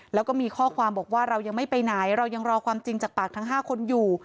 แล้วก็มีข้อความบอกว่าเรายังไม่ไปไหนเรายังรอความจริงจากปากทั้ง๕คนอยู่